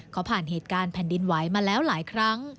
เขาผ่านเหตุการณ์แผ่นดินไหวมาแล้วหลายครั้ง